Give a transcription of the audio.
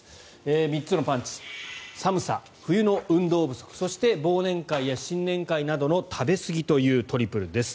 ３つのパンチ寒さ、冬の運動不足そして、忘年会や新年会などの食べ過ぎというトリプルです。